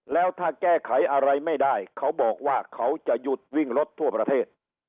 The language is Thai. แล้วถ้าแก้ไขอะไรไม่ได้เขาบอกว่าเขาจะหยุดวิ่งรถทั่วประเทศ